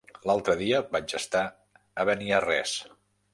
L'altre dia vaig estar a Beniarrés.